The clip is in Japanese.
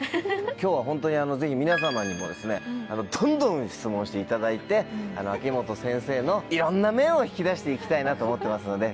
今日はホントにぜひ皆さまにもですねどんどん質問していただいて秋元先生のいろんな面を引き出して行きたいなと思ってますので。